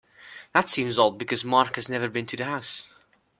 That seems odd because Mark has never been to the house.